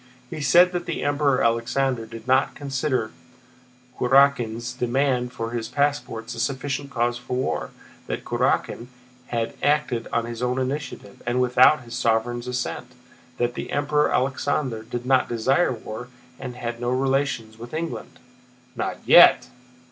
He said that the Emperor Alexander did not consider Kurákin's demand for his passports a sufficient cause for war; that Kurákin had acted on his own initiative and without his sovereign's assent, that the Emperor Alexander did not desire war, and had no relations with England. "Not yet!"